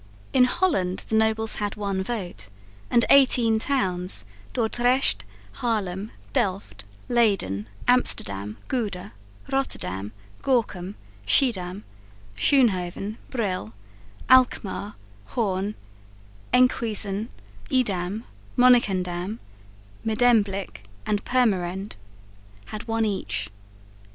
In Holland the nobles had one vote; and eighteen towns, Dordrecht, Haarlem, Delft, Leyden, Amsterdam, Gouda, Rotterdam, Gorkum, Schiedam, Schoonhoven, Brill, Alkmaar, Hoorn, Enkhuizen, Edam, Monnikendam, Medemblik and Purmerend, had one each.